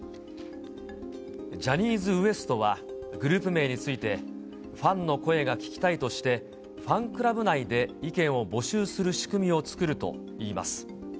ジャニーズＷＥＳＴはグループ名について、ファンの声が聞きたいとして、ファンクラブ内で意見を募集する仕組みを作るといいます。